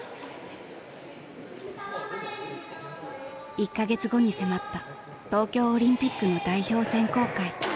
１か月後に迫った東京オリンピックの代表選考会。